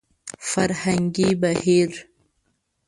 فرهنګي بهير